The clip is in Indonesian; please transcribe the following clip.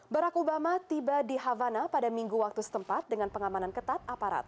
barack obama tiba di havana pada minggu waktu setempat dengan pengamanan ketat aparat